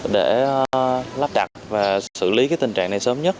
để lắp đặt và xử lý cái tình trạng này sớm nhất